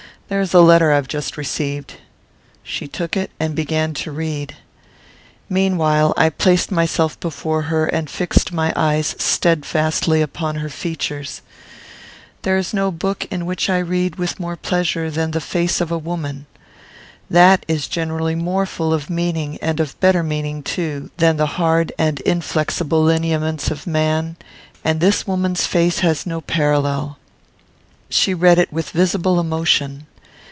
There is a letter I have just received." She took it and began to read. Meanwhile, I placed myself before her, and fixed my eyes steadfastly upon her features. There is no book in which I read with more pleasure than the face of woman. That is generally more full of meaning, and of better meaning too, than the hard and inflexible lineaments of man; and this woman's face has no parallel. She read it with visible emotion.